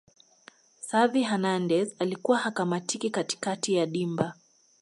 xavi hernandez alikuwa hakamatiki katikati ya dimba